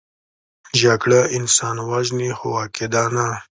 جګړه انسان وژني، خو عقیده نه